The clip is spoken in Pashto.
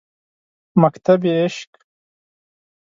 مکتبِ عشق